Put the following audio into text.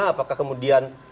apakah kemudian berhasil